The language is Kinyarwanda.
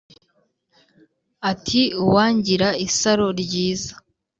Ati Uwangira isaro ryiza